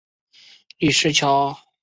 李石樵出生于新庄